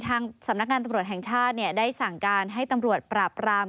ทางสำนักงานตำรวจแห่งชาติได้สั่งการให้ตำรวจปราบราม